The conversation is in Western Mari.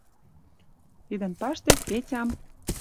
Тидӹн паштек Петям